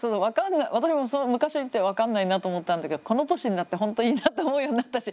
私も昔に行って分かんないなと思ったんだけどこの年になって本当いいなと思うようになったし。